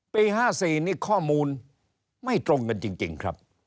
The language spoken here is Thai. ปี๕๔นี่ข้อมูลไม่ตรงกันจริงครับ